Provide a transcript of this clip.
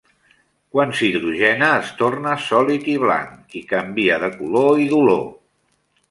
Quan s'hidrogena, es torna sòlid i blanc, i canvia de color i d'olor.